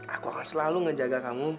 aku akan selalu ngejaga kamu